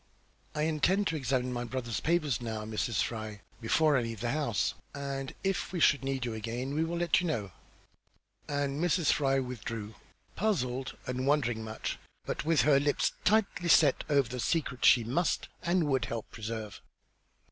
"I intend to examine my brother's papers now, Mrs. Fry, before I leave the house, and if we should need you again we will let you know." And Mrs. Fry withdrew, puzzled and wondering much, but with her lips tightly set over the secret she must and would help to preserve.